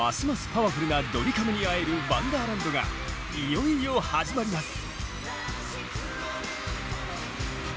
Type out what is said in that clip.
パワフルなドリカムに会えるワンダーランドがいよいよ始まります！